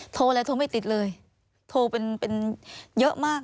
โทรอะไรโทรไม่ติดเลยโทรเป็นเยอะมาก